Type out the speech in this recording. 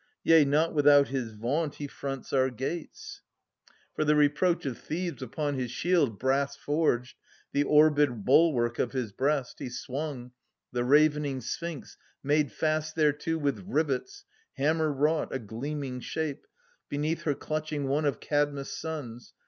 Yea, not without his vaunt he fronts our gates ; i 26 j!ESCHYL US, For the reproach of Thebes upon his shield Brass forged, the orb^d bulwark of his breast, 540 He swimg, the ravening Sphinx made fast thereto With rivets, hammer wrought, a gleaming shape, Beneath her clutching one of Kadmus' sons.